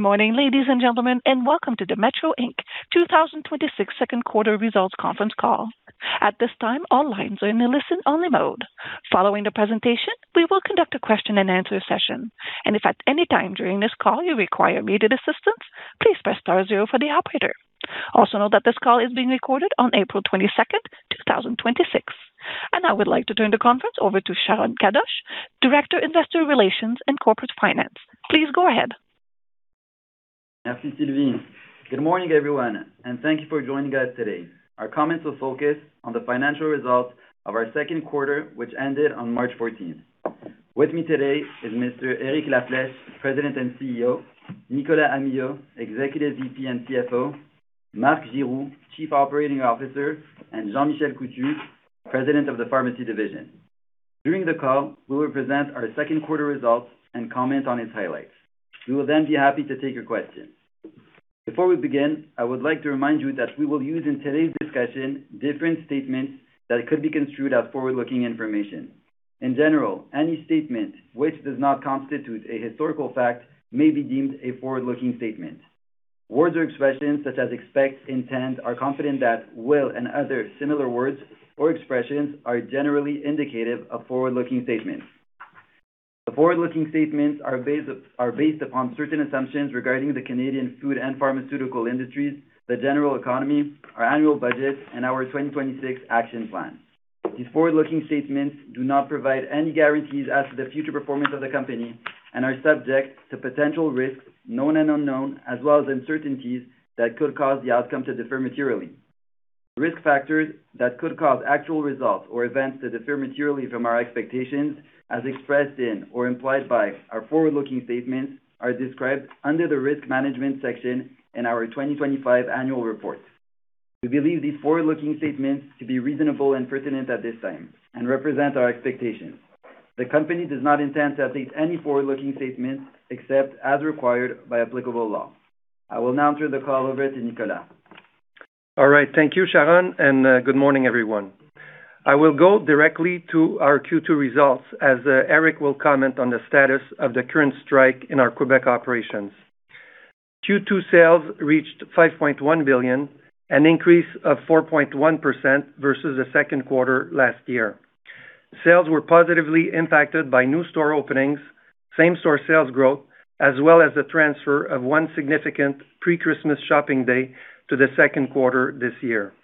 Morning, ladies and gentlemen, and welcome to the Metro Inc. 2026 second quarter results conference call. At this time, all lines are in a listen-only mode. Following the presentation, we will conduct a question and answer session. If at any time during this call you require immediate assistance, please press star zero for the operator. Also know that this call is being recorded on April 22nd, 2026. I would like to turn the conference over to Sharon Kadoche, Director, Investor Relations and Corporate Finance. Please go ahead. Good morning, everyone, and thank you for joining us today. Our comments will focus on the financial results of our second quarter, which ended on March 14th. With me today is Mr. Eric La Flèche, President and CEO, Nicolas Amyot, Executive VP and CFO, Marc Giroux, Chief Operating Officer, and Jean-Michel Coutu, President of the Pharmacy Division. During the call, we will present our second quarter results and comment on its highlights. We will then be happy to take your questions. Before we begin, I would like to remind you that we will use in today's discussion different statements that could be construed as forward-looking information. In general, any statement which does not constitute a historical fact may be deemed a forward-looking statement. Words or expressions such as expects, intend, are confident that, will, and other similar words or expressions are generally indicative of forward-looking statements. The forward-looking statements are based upon certain assumptions regarding the Canadian food and pharmaceutical industries, the general economy, our annual budget and our 2026 action plan. These forward-looking statements do not provide any guarantees as to the future performance of the company and are subject to potential risks, known and unknown, as well as uncertainties that could cause the outcome to differ materially. Risk factors that could cause actual results or events to differ materially from our expectations, as expressed in or implied by our forward-looking statements, are described under the Risk Management section in our 2025 annual report. We believe these forward-looking statements to be reasonable and pertinent at this time and represent our expectations. The company does not intend to update any forward-looking statements except as required by applicable law. I will now turn the call over to Nicolas. All right. Thank you, Sharon, and good morning, everyone. I will go directly to our Q2 results as Eric will comment on the status of the current strike in our Québec operations. Q2 sales reached 5.1 billion, an increase of 4.1% versus the second quarter last year. Sales were positively impacted by new store openings, same-store sales growth, as well as the transfer of one significant pre-Christmas shopping day to the second quarter this year.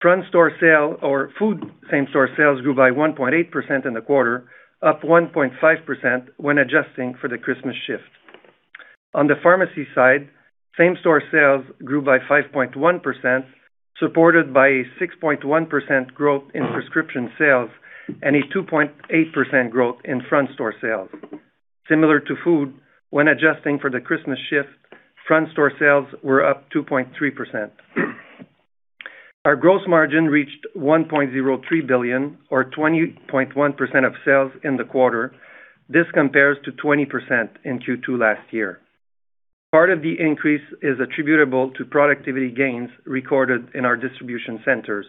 Front store sales or food same-store sales grew by 1.8% in the quarter, up 1.5% when adjusting for the Christmas shift. On the pharmacy side, same-store sales grew by 5.1%, supported by a 6.1% growth in prescription sales and a 2.8% growth in front store sales. Similar to food, when adjusting for the Christmas shift, front store sales were up 2.3%. Our gross margin reached 1.03 billion or 20.1% of sales in the quarter. This compares to 20% in Q2 last year. Part of the increase is attributable to productivity gains recorded in our distribution centers.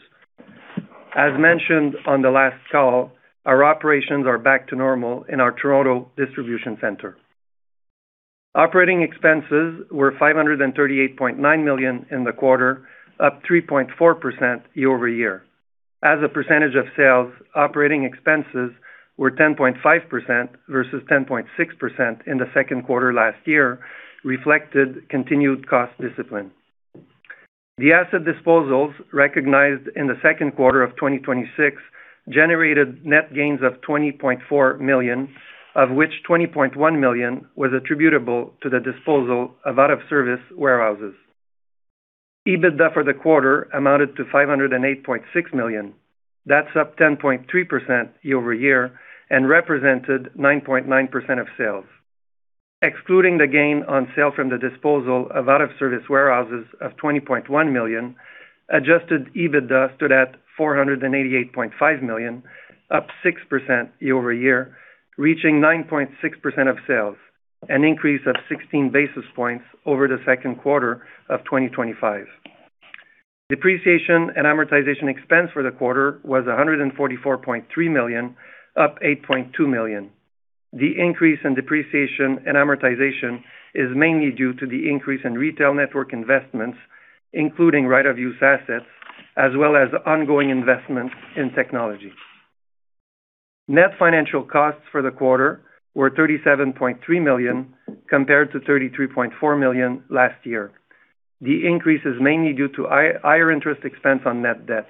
As mentioned on the last call, our operations are back to normal in our Toronto distribution center. Operating expenses were 538.9 million in the quarter, up 3.4% year-over-year. As a percentage of sales, operating expenses were 10.5% versus 10.6% in the second quarter last year, reflected continued cost discipline. The asset disposals recognized in the second quarter of 2026 generated net gains of 20.4 million, of which 20.1 million was attributable to the disposal of out-of-service warehouses. EBITDA for the quarter amounted to 508.6 million. That's up 10.3% year-over-year and represented 9.9% of sales. Excluding the gain on sale from the disposal of out-of-service warehouses of 20.1 million, adjusted EBITDA stood at 488.5 million, up 6% year-over-year, reaching 9.6% of sales, an increase of 16 basis points over the second quarter of 2025. Depreciation and amortization expense for the quarter was 144.3 million, up 8.2 million. The increase in depreciation and amortization is mainly due to the increase in retail network investments, including right of use assets, as well as ongoing investment in technology. Net financial costs for the quarter were 37.3 million, compared to 33.4 million last year. The increase is mainly due to higher interest expense on net debt.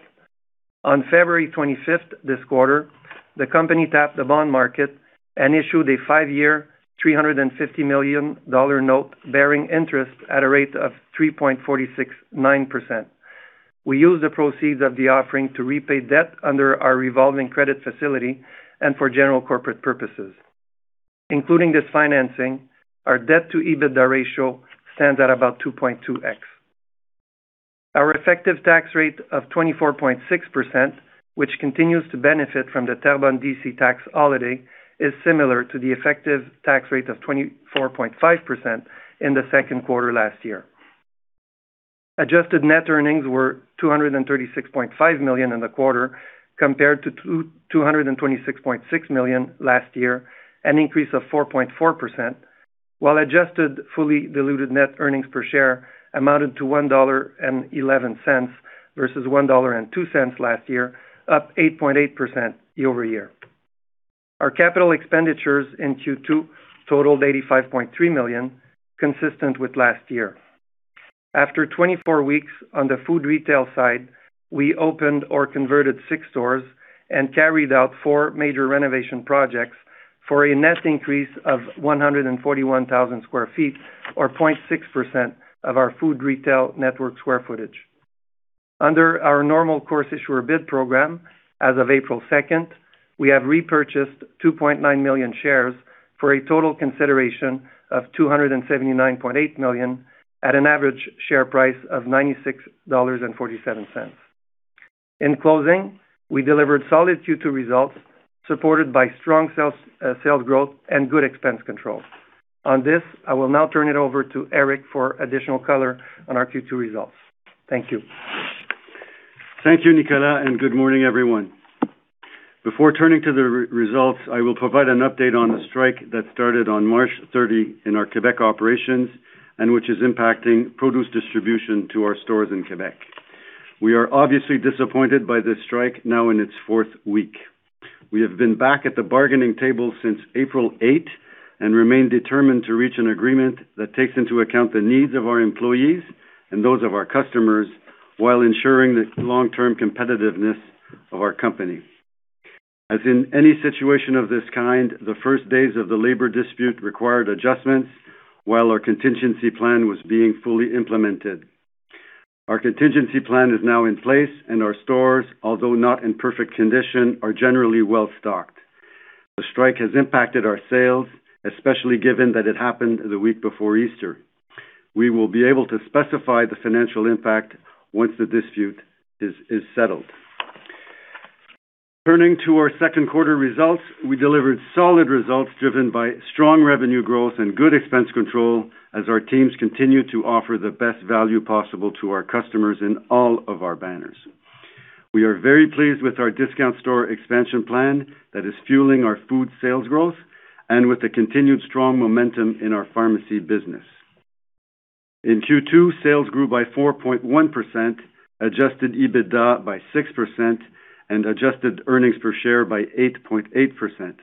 On February 25th this quarter, the company tapped the bond market and issued a five-year, 350 million dollar note-bearing interest at a rate of 3.469%. We used the proceeds of the offering to repay debt under our revolving credit facility and for general corporate purposes. Including this financing, our debt to EBITDA ratio stands at about 2.2x. Our effective tax rate of 24.6%, which continues to benefit from the Terrebonne DC tax holiday, is similar to the effective tax rate of 24.5% in the second quarter last year. Adjusted net earnings were CAD 236.5 million in the quarter, compared to CAD 226.6 million last year, an increase of 4.4%, while adjusted fully diluted net earnings per share amounted to 1.11 dollar versus 1.02 dollar last year, up 8.8% year over year. Our capital expenditures in Q2 totaled 85.3 million, consistent with last year. After 24 weeks on the food retail side, we opened or converted six stores and carried out four major renovation projects for a net increase of 141,000 sq ft, or 0.6% of our food retail network square footage. Under our normal course issuer bid program, as of April 2nd, we have repurchased 2.9 million shares for a total consideration of 279.8 million at an average share price of 96.47 dollars. In closing, we delivered solid Q2 results supported by strong sales growth and good expense control. On this, I will now turn it over to Eric for additional color on our Q2 results. Thank you. Thank you, Nicolas, and good morning, everyone. Before turning to the results, I will provide an update on the strike that started on March 30 in our Québec operations and which is impacting produce distribution to our stores in Québec. We are obviously disappointed by this strike now in its fourth week. We have been back at the bargaining table since April 8 and remain determined to reach an agreement that takes into account the needs of our employees and those of our customers while ensuring the long-term competitiveness of our company. As in any situation of this kind, the first days of the labor dispute required adjustments while our contingency plan was being fully implemented. Our contingency plan is now in place and our stores, although not in perfect condition, are generally well-stocked. The strike has impacted our sales, especially given that it happened the week before Easter. We will be able to specify the financial impact once the dispute is settled. Turning to our second quarter results, we delivered solid results driven by strong revenue growth and good expense control as our teams continue to offer the best value possible to our customers in all of our banners. We are very pleased with our discount store expansion plan that is fueling our food sales growth and with the continued strong momentum in our pharmacy business. In Q2, sales grew by 4.1%, adjusted EBITDA by 6%, and adjusted earnings per share by 8.8%.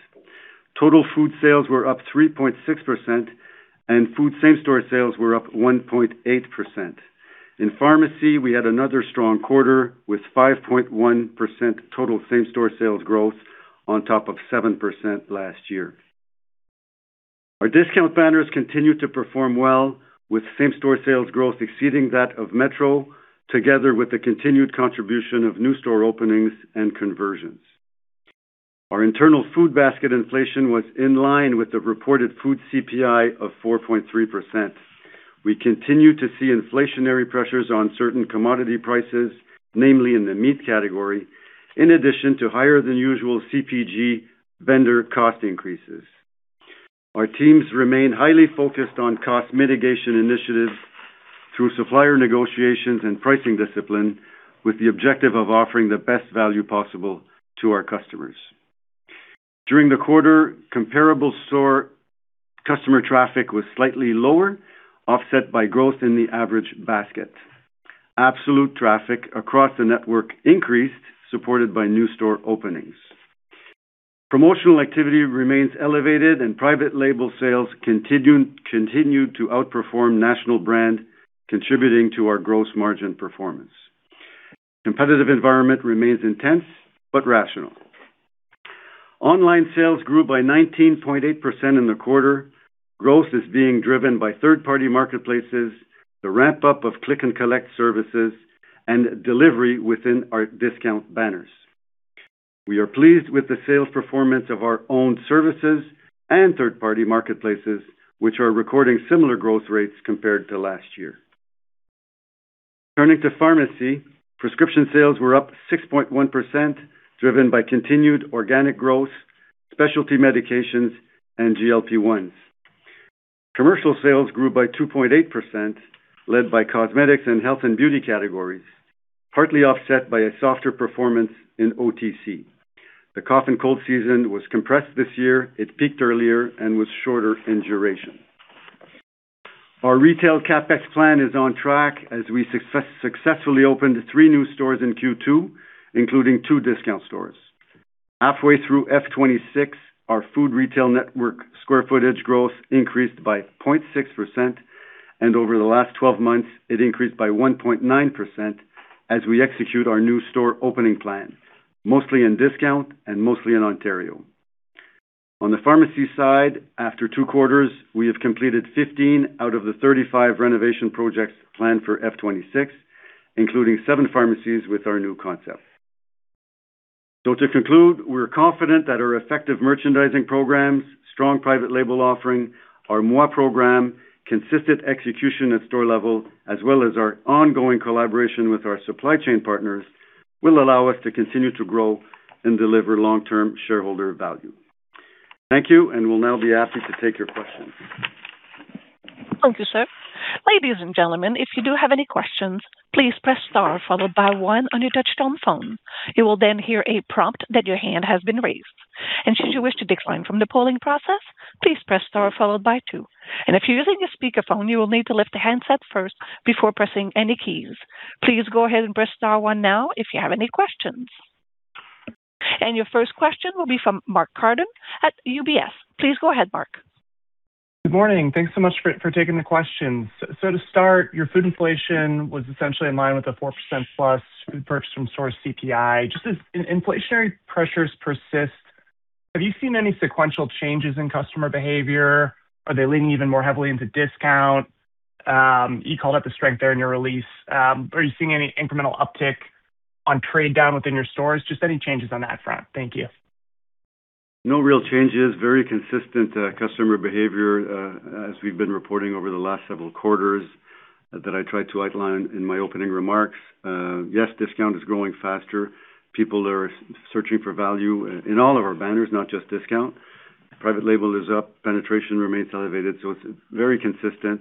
Total food sales were up 3.6%, and food same-store sales were up 1.8%. In pharmacy, we had another strong quarter with 5.1% total same-store sales growth on top of 7% last year. Our discount banners continued to perform well with same-store sales growth exceeding that of Metro, together with the continued contribution of new store openings and conversions. Our internal food basket inflation was in line with the reported food CPI of 4.3%. We continue to see inflationary pressures on certain commodity prices, namely in the meat category, in addition to higher than usual CPG vendor cost increases. Our teams remain highly focused on cost mitigation initiatives through supplier negotiations and pricing discipline with the objective of offering the best value possible to our customers. During the quarter, comparable store customer traffic was slightly lower, offset by growth in the average basket. Absolute traffic across the network increased, supported by new store openings. Promotional activity remains elevated and private label sales continued to outperform national brand, contributing to our gross margin performance. Competitive environment remains intense but rational. Online sales grew by 19.8% in the quarter. Growth is being driven by third-party marketplaces, the ramp-up of click and collect services, and delivery within our discount banners. We are pleased with the sales performance of our own services and third-party marketplaces, which are recording similar growth rates compared to last year. Turning to pharmacy, prescription sales were up 6.1%, driven by continued organic growth, specialty medications, and GLP-1s. Commercial sales grew by 2.8%, led by cosmetics and health and beauty categories, partly offset by a softer performance in OTC. The cough and cold season was compressed this year. It peaked earlier and was shorter in duration. Our retail CapEx plan is on track as we successfully opened three new stores in Q2, including two discount stores. Halfway through F26, our food retail network square footage growth increased by 0.6%, and over the last 12 months, it increased by 1.9% as we execute our new store opening plan, mostly in discount and mostly in Ontario. On the pharmacy side, after two quarters, we have completed 15 out of the 35 renovation projects planned for F26, including seven pharmacies with our new concept. To conclude, we're confident that our effective merchandising programs, strong private label offering, our Moi program, consistent execution at store level, as well as our ongoing collaboration with our supply chain partners, will allow us to continue to grow and deliver long-term shareholder value. Thank you, and we'll now be happy to take your questions. Thank you, sir. Ladies and gentlemen, if you do have any questions, please press star followed by one on your touchtone phone. You will then hear a prompt that your hand has been raised. Should you wish to decline from the polling process, please press star followed by two. If you're using a speakerphone, you will need to lift the handset first before pressing any keys. Please go ahead and press star one now if you have any questions. Your first question will be from Mark Carden at UBS. Please go ahead, Mark. Good morning. Thanks so much for taking the questions. To start, your food inflation was essentially in line with the 4%+ food purchase from store CPI. Just as inflationary pressures persist, have you seen any sequential changes in customer behavior? Are they leaning even more heavily into discount? You called out the strength there in your release. Are you seeing any incremental uptick on trade down within your stores? Just any changes on that front. Thank you. No real changes. Very consistent customer behavior as we've been reporting over the last several quarters that I tried to outline in my opening remarks. Yes, discount is growing faster. People are searching for value in all of our banners, not just discount. Private label is up, penetration remains elevated, so it's very consistent.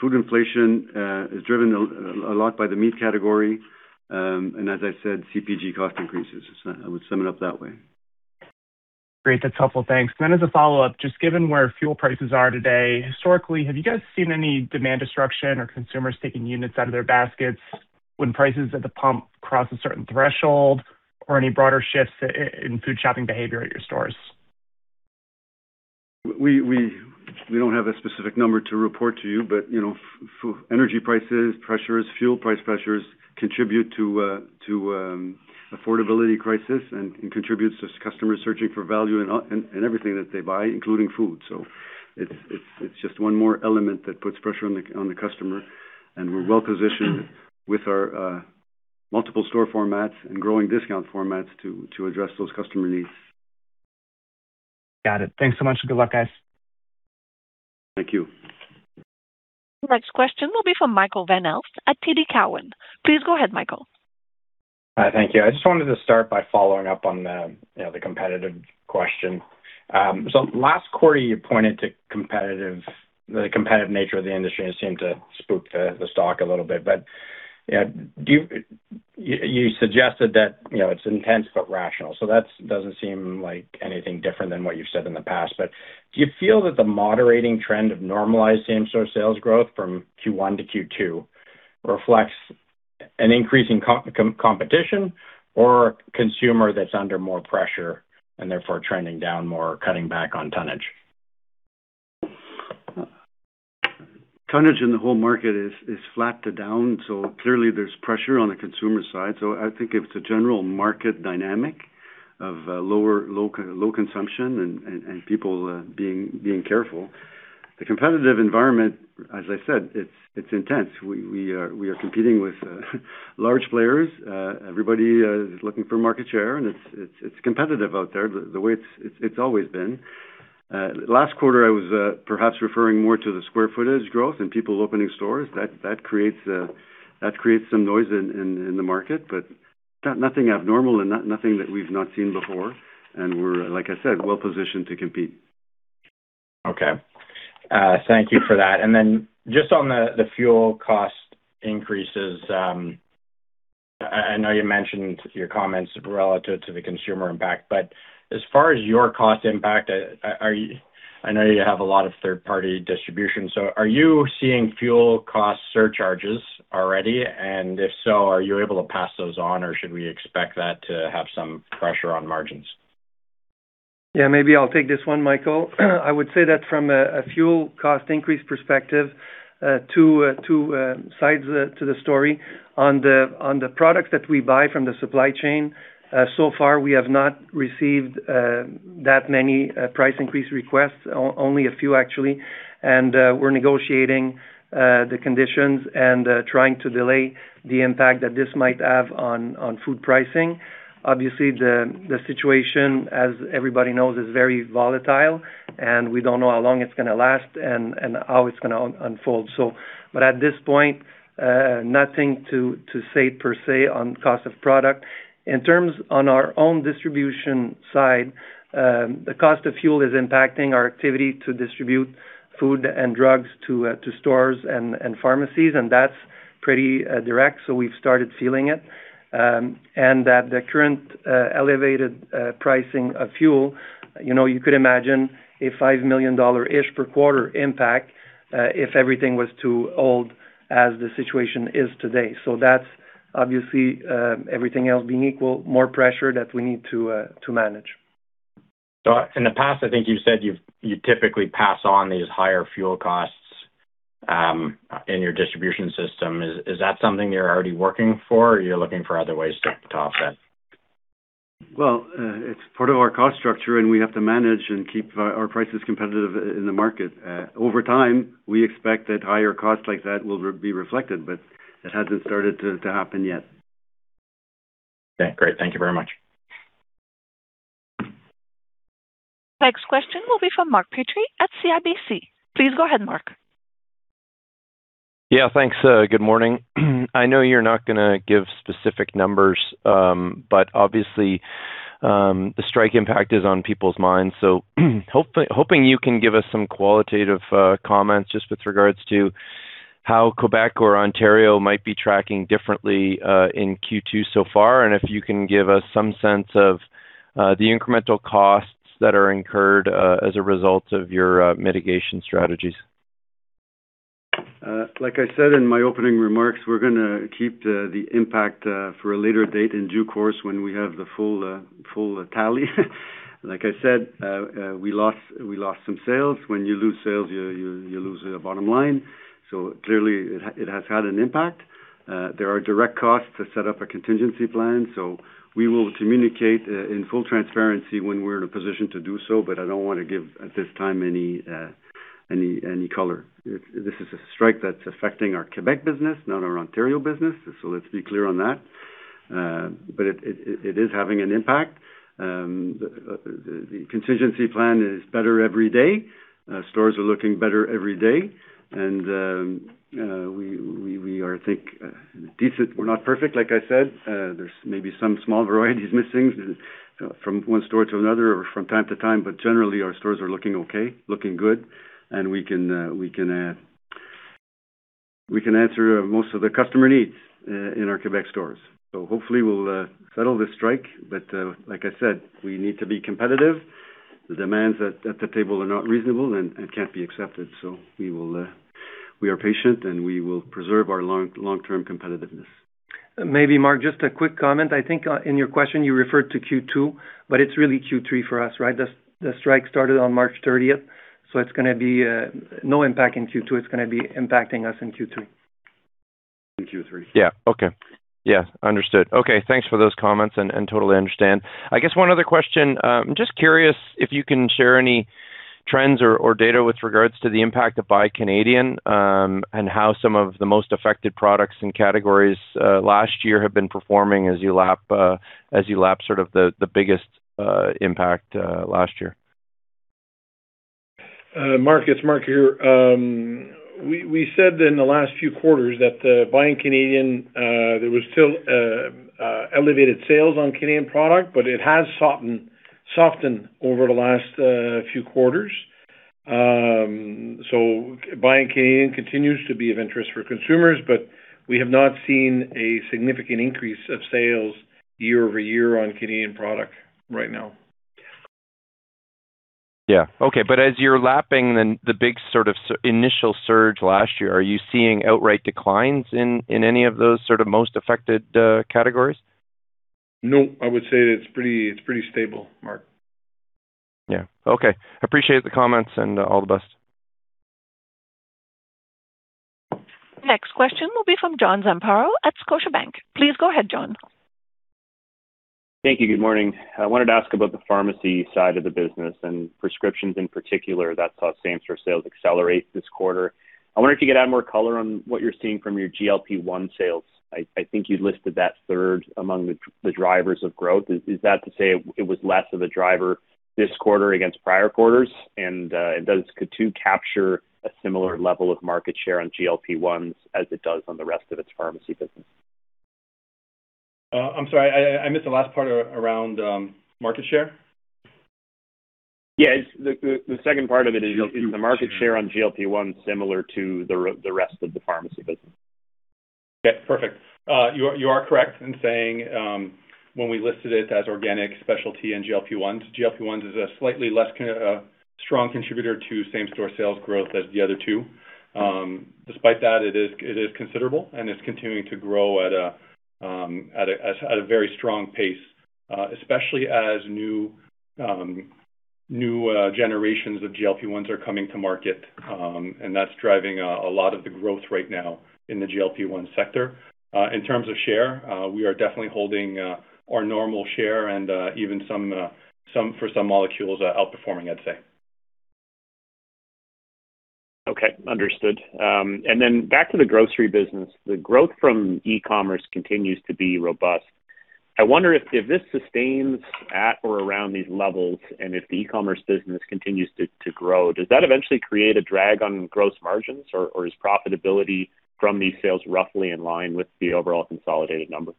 Food inflation is driven a lot by the meat category, and as I said, CPG cost increases. I would sum it up that way. Great. That's helpful. Thanks. As a follow-up, just given where fuel prices are today, historically, have you guys seen any demand destruction or consumers taking units out of their baskets when prices at the pump cross a certain threshold? Or any broader shifts in food shopping behavior at your stores? We don't have a specific number to report to you, but energy prices, pressures, fuel price pressures contribute to affordability crisis and contributes to customers searching for value in everything that they buy, including food. It's just one more element that puts pressure on the customer, and we're well positioned with our multiple store formats and growing discount formats to address those customer needs. Got it. Thanks so much and good luck, guys. Thank you. Next question will be from Michael Van Aelst at TD Cowen. Please go ahead, Michael. Hi. Thank you. I just wanted to start by following up on the competitive question. Last quarter, you pointed to the competitive nature of the industry and it seemed to spook the stock a little bit. You suggested that it's intense but rational. That doesn't seem like anything different than what you've said in the past. Do you feel that the moderating trend of normalized same store sales growth from Q1 to Q2 reflects an increase in competition or consumer that's under more pressure and therefore trending down more, cutting back on tonnage? Tonnage in the whole market is flat to down, so clearly there's pressure on the consumer side. I think it's a general market dynamic of low consumption and people being careful. The competitive environment, as I said, it's intense. We are competing with large players. Everybody is looking for market share and it's competitive out there the way it's always been. Last quarter, I was perhaps referring more to the square footage growth and people opening stores. That creates some noise in the market, but nothing abnormal and nothing that we've not seen before. We're, like I said, well positioned to compete. Okay. Thank you for that. Just on the fuel cost increases, I know you mentioned your comments relative to the consumer impact, but as far as your cost impact, I know you have a lot of third-party distribution, so are you seeing fuel cost surcharges already? And if so, are you able to pass those on, or should we expect that to have some pressure on margins? Yeah, maybe I'll take this one, Michael. I would say that from a fuel cost increase perspective, two sides to the story. On the products that we buy from the supply chain, so far we have not received that many price increase requests. Only a few, actually. We're negotiating the conditions and trying to delay the impact that this might have on food pricing. Obviously, the situation, as everybody knows, is very volatile and we don't know how long it's gonna last and how it's gonna unfold. At this point, nothing to say per se on cost of product. In terms of our own distribution side, the cost of fuel is impacting our activity to distribute food and drugs to stores and pharmacies, and that's pretty direct. We've started feeling it. At the current elevated pricing of fuel, you could imagine a 5 million dollar-ish per quarter impact if everything was to hold as the situation is today. That's obviously, everything else being equal, more pressure that we need to manage. In the past, I think you said you typically pass on these higher fuel costs in your distribution system. Is that something you're already working for or you're looking for other ways to offset? Well, it's part of our cost structure, and we have to manage and keep our prices competitive in the market. Over time, we expect that higher costs like that will be reflected, but it hasn't started to happen yet. Okay, great. Thank you very much. Next question will be from Mark Petrie at CIBC. Please go ahead, Mark. Yeah, thanks. Good morning. I know you're not going to give specific numbers, but obviously, the strike impact is on people's minds. Hoping you can give us some qualitative comments just with regards to how Québec or Ontario might be tracking differently in Q2 so far, and if you can give us some sense of the incremental costs that are incurred as a result of your mitigation strategies? Like I said in my opening remarks, we're going to keep the impact for a later date in due course when we have the full tally. Like I said, we lost some sales. When you lose sales, you lose a bottom line. Clearly it has had an impact. There are direct costs to set up a contingency plan, so we will communicate in full transparency when we're in a position to do so, but I don't want to give, at this time, any color. This is a strike that's affecting our Québec business, not our Ontario business, so let's be clear on that. It is having an impact. The contingency plan is better every day. Stores are looking better every day, and we are, I think, decent. We're not perfect, like I said. There's maybe some small varieties missing from one store to another or from time to time, but generally our stores are looking okay, looking good, and we can answer most of the customer needs in our Québec stores. Hopefully we'll settle the strike. Like I said, we need to be competitive. The demands at the table are not reasonable and can't be accepted. We are patient, and we will preserve our long-term competitiveness. Maybe, Mark, just a quick comment. I think in your question you referred to Q2, but it's really Q3 for us, right? The strike started on March 30th, so it's going to be no impact in Q2. It's going to be impacting us in Q3. In Q3. Yeah. Okay. Yeah, understood. Okay, thanks for those comments, and totally understand. I guess one other question. I'm just curious if you can share any trends or data with regards to the impact of Buy Canadian, and how some of the most affected products and categories last year have been performing as you lap sort of the biggest impact last year? Mark, it's Marc here. We said in the last few quarters that the Buying Canadian, there was still elevated sales on Canadian product, but it has softened over the last few quarters. Buying Canadian continues to be of interest for consumers, but we have not seen a significant increase of sales year over year on Canadian product right now. Yeah. Okay, as you're lapping the big sort of initial surge last year, are you seeing outright declines in any of those sort of most affected categories? No, I would say it's pretty stable, Mark. Yeah. Okay. I appreciate the comments and all the best. Next question will be from John Zamparo at Scotiabank. Please go ahead, John. Thank you. Good morning. I wanted to ask about the pharmacy side of the business and prescriptions in particular that saw same-store sales accelerate this quarter. I wonder if you could add more color on what you're seeing from your GLP-1 sales. I think you listed that third among the drivers of growth. Is that to say it was less of a driver this quarter against prior quarters? Does Coutu capture a similar level of market share on GLP-1s as it does on the rest of its pharmacy business? I'm sorry, I missed the last part around market share. Yeah, the second part of it is. GLP-1 Is the market share on GLP-1s similar to the rest of the pharmacy business? Yeah. Perfect. You are correct in saying when we listed it as organic specialty and GLP-1s, GLP-1s is a slightly less strong contributor to same-store sales growth as the other two. Despite that, it is considerable, and it's continuing to grow at a very strong pace, especially as new generations of GLP-1s are coming to market, and that's driving a lot of the growth right now in the GLP-1 sector. In terms of share, we are definitely holding our normal share and even for some molecules, outperforming, I'd say. Okay. Understood. Back to the grocery business. The growth from e-commerce continues to be robust. I wonder if this sustains at or around these levels and if the e-commerce business continues to grow, does that eventually create a drag on gross margins, or is profitability from these sales roughly in line with the overall consolidated number?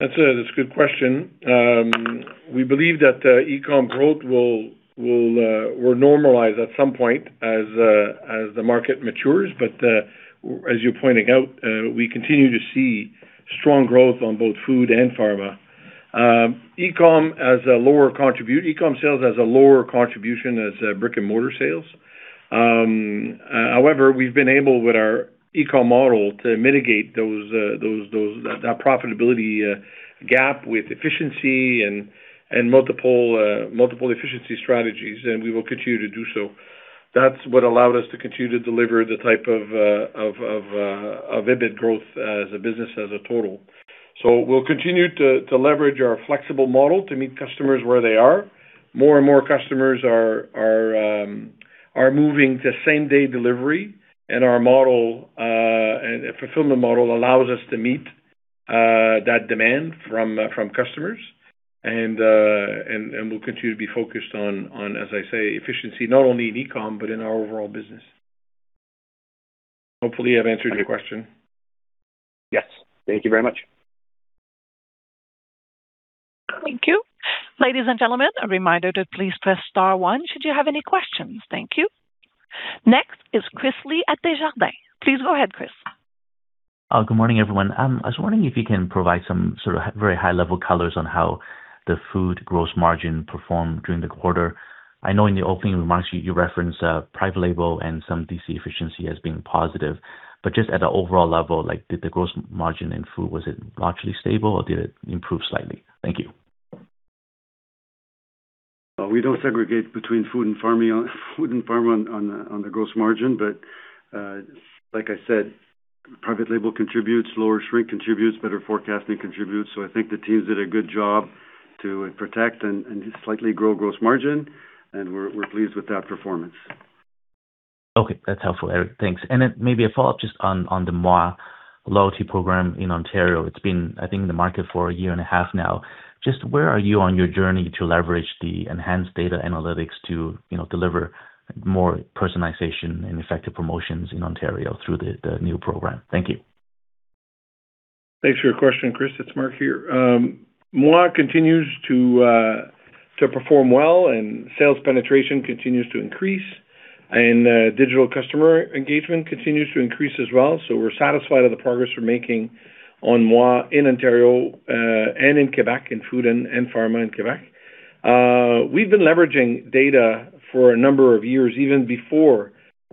That's a good question. We believe that e-com growth will normalize at some point as the market matures. As you're pointing out, we continue to see strong growth on both food and pharma. E-com sales has a lower contribution as brick-and-mortar sales. However, we've been able, with our e-com model, to mitigate that profitability gap with efficiency and multiple efficiency strategies, and we will continue to do so. That's what allowed us to continue to deliver the type of EBIT growth as a business as a total. We'll continue to leverage our flexible model to meet customers where they are. More and more customers are moving to same-day delivery, and our model and a fulfillment model allows us to meet that demand from customers and we'll continue to be focused on, as I say, efficiency, not only in e-com but in our overall business. Hopefully, I've answered your question. Yes. Thank you very much. Thank you. Ladies and gentlemen, a reminder to please press star one should you have any questions. Thank you. Next is Chris Li at Desjardins. Please go ahead, Chris. Good morning, everyone. I was wondering if you can provide some sort of very high-level colors on how the food gross margin performed during the quarter. I know in the opening remarks, you referenced private label and some DC efficiency as being positive, but just at the overall level, did the gross margin in food, was it largely stable or did it improve slightly? Thank you. We don't segregate between food and pharma on the gross margin. Like I said, private label contributes, lower shrink contributes, better forecasting contributes. I think the teams did a good job to protect and slightly grow gross margin, and we're pleased with that performance. Okay. That's helpful, Eric. Thanks. Maybe a follow-up just on the Moi loyalty program in Ontario. It's been, I think, in the market for a year and a half now. Just where are you on your journey to leverage the enhanced data analytics to deliver more personalization and effective promotions in Ontario through the new program? Thank you. Thanks for your question, Chris. It's Marc here. Moi continues to perform well and sales penetration continues to increase, and digital customer engagement continues to increase as well. We're satisfied with the progress we're making on Moi in Ontario and in Québec, in food and pharma in Québec. We've been leveraging data for a number of years, even before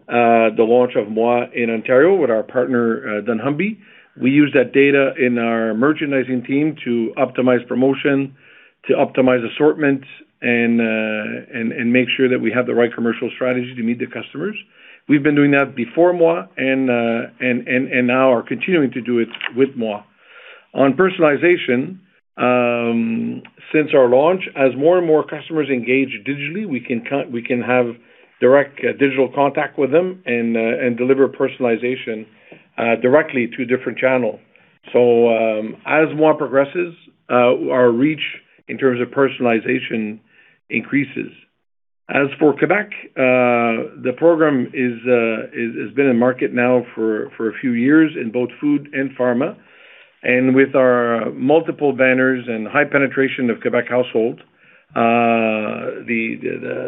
the launch of Moi in Ontario with our partner, dunnhumby. We use that data in our merchandising team to optimize promotion, to optimize assortment, and make sure that we have the right commercial strategy to meet the customers. We've been doing that before Moi and now are continuing to do it with Moi. On personalization, since our launch, as more and more customers engage digitally, we can have direct digital contact with them and deliver personalization directly to different channels. As Moi progresses, our reach in terms of personalization increases. As for Québec, the program has been in market now for a few years in both food and pharma. With our multiple banners and high penetration of Québec households,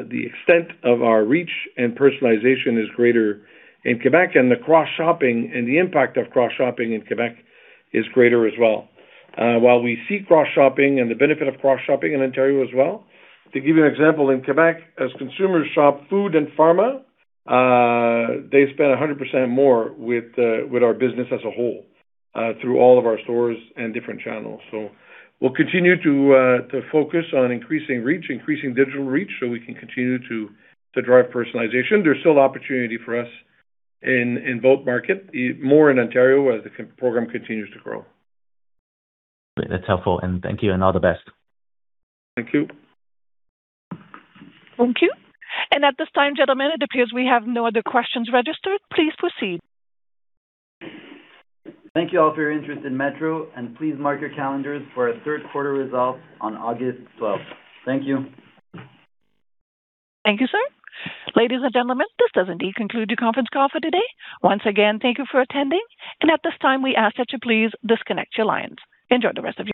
the extent of our reach and personalization is greater in Québec, and the cross-shopping and the impact of cross-shopping in Québec is greater as well. While we see cross-shopping and the benefit of cross-shopping in Ontario as well, to give you an example, in Québec, as consumers shop food and pharma, they spend 100% more with our business as a whole, through all of our stores and different channels. We'll continue to focus on increasing reach, increasing digital reach, so we can continue to drive personalization. There's still opportunity for us in both markets, more in Ontario, where the program continues to grow. That's helpful and thank you and all the best. Thank you. Thank you. At this time, gentlemen, it appears we have no other questions registered. Please proceed. Thank you all for your interest in Metro, and please mark your calendars for our third quarter results on August 12th. Thank you. Thank you, sir. Ladies and gentlemen, this does indeed conclude the conference call for today. Once again, thank you for attending. At this time, we ask that you please disconnect your lines. Enjoy the rest of your day.